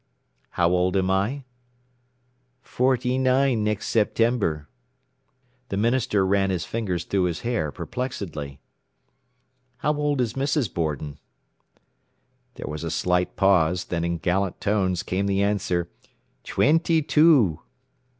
"How old am I?" "Forty nine next September." The minister ran his fingers through his hair, perplexedly. "How old is Mrs. Borden?" There was a slight pause, then in gallant tones came the answer, "Twenty two."